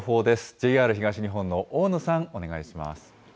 ＪＲ東日本の大野さん、お願いします。